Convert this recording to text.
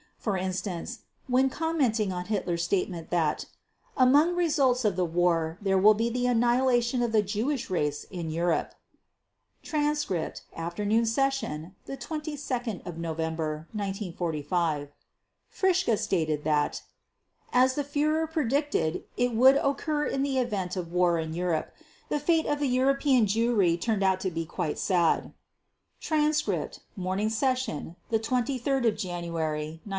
For instance, when commenting on Hitler s statement that "among results of the war there will be the annihilation of the Jewish race in Europe" (Transcript, Afternoon Session, 22 November 1945), Fritzsche stated that: "As the Führer predicted it would occur in the event of war in Europe, the fate of the European Jewry turned out to be quite sad" (Transcript, Morning Session, 23 January 1946).